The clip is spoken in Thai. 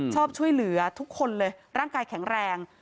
ชอบช่วยเหลือทุกคนเลยร่างกายแข็งแรง